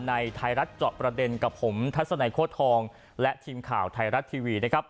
ในไทรัฐจอดประเด็นกับผมทัศนายโครงทองและทีมข่าวไทรัฐทีวี